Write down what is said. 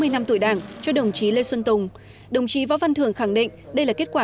sáu mươi năm tuổi đảng cho đồng chí lê xuân tùng đồng chí võ văn thường khẳng định đây là kết quả